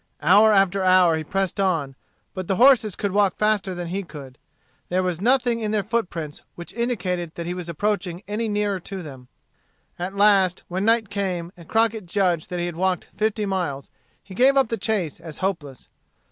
Hour after hour he pressed on, but the horses could walk faster than he could. There was nothing in their foot prints which indicated that he was approaching any nearer to them. At last, when night came, and Crockett judged that he had walked fifty miles, he gave up the chase as hopeless.